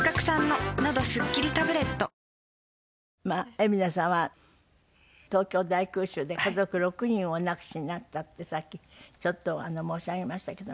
海老名さんは東京大空襲で家族６人をお亡くしになったってさっきちょっと申し上げましたけども。